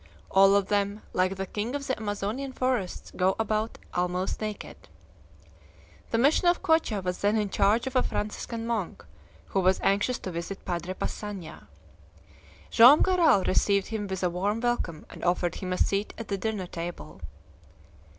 All of them, like the king of the Amazonian forests, go about almost naked. The mission of Cocha was then in charge of a Franciscan monk, who was anxious to visit Padre Passanha. Joam Garral received him with a warm welcome, and offered him a seat at the dinner table.